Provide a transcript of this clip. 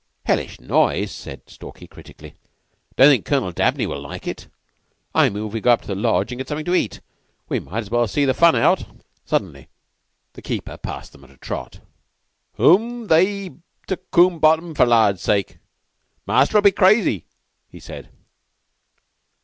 "Hellish noise!" said Stalky, critically. "'Don't think Colonel Dabney will like it. I move we go into the Lodge and get something to eat. We might as well see the fun out." Suddenly the keeper passed them at a trot. "Who'm they to combe bottom for Lard's sake? Master'll be crazy," he said.